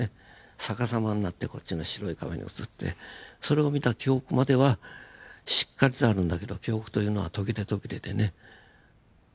逆さまになってこっちの白い壁に映ってそれを見た記憶まではしっかりとあるんだけど記憶というのは途切れ途切れでね。